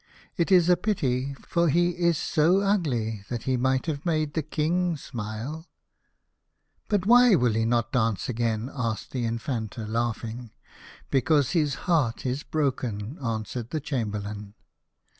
It is a pity, for he is so ugly that he might have made the King smile." " But why will he not dance again ?" asked the Infanta, laughing. " Because his heart is broken," answered the Chamberlain.